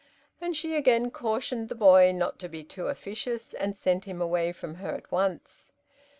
And she again cautioned the boy not to be too officious, and sent him away from her at once.